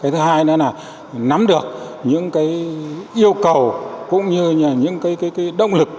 thứ hai nữa là nắm được những yêu cầu cũng như những động lực